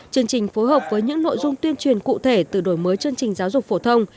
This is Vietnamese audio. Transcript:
chương trình phối hợp với những nội dung tuyên truyền cụ thể từ đổi mới chương trình giáo dục phổ thông